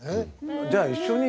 じゃあ一緒に。